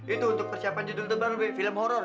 itu untuk persiapan judul terbaru mbak film horor